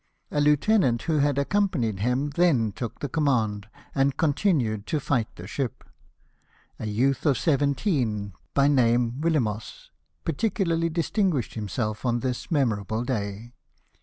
A lieutenant, who had accompanied him, then took the command, and continued to fight the ship. A youth of seven teen, by name Yillemoes, particularly distinguished himself on this memorable day.